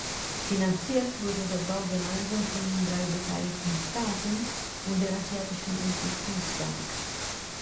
Finanziert wurde der Bau gemeinsam von den drei beteiligten Staaten und der Asiatischen Entwicklungsbank.